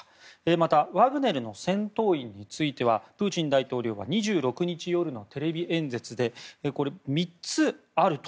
またワグネルの戦闘員についてはプーチン大統領が２６日夜のテレビ演説で３つあると。